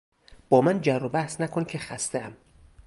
با من جروبحث نکن که خستهام!